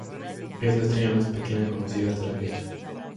Es la estrella mas pequeña conocida hasta la fecha.